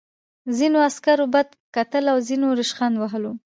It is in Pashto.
ځینو عسکرو بد کتل او ځینو ریشخند وهلو